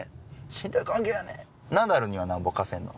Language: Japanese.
ナダルにはなんぼ貸せるの？